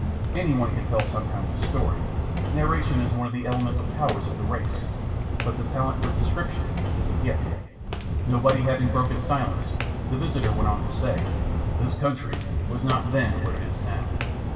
Anyone can tell some kind of story; narration is one of the elemental powers of the race. But the talent for description is a gift. Nobody having broken silence the visitor went on to say: "This country was not then what it is now.